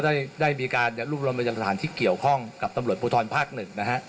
แล้วได้มีการรูปรวมเป็นจังหลักฐานที่เกี่ยวข้องกับตำรวจบุธรภาคหนึ่ง